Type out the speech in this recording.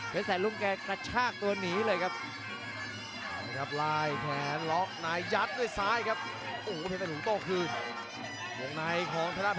บางนายตั้งแขนไว้มีงัดเสริมที่สองครับ